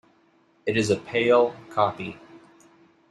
It is a pale copy.